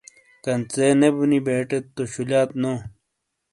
کنژے نے بونی بیٹت تو شولایات نو